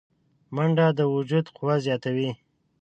منډه د وجود قوه زیاتوي